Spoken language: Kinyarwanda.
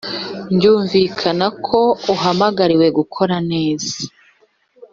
byumvikana ko uhamagariwe gukora neza